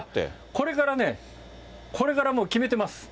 これからね、これからもう決めてます。